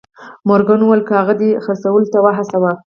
مورګان وويل که هغه دې خرڅلاو ته وهڅاوه.